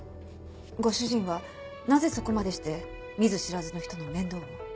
ご主人はなぜそこまでして見ず知らずの人の面倒を？